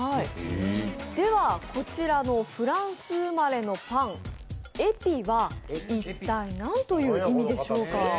では、こちらのフランス生まれのパンエピは一体何という意味でしょうか？